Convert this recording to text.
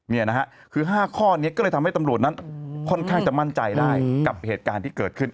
นี่นะฮะคือ๕ข้อนี้ก็เลยทำให้ตำรวจนั้นค่อนข้างจะมั่นใจได้กับเหตุการณ์ที่เกิดขึ้น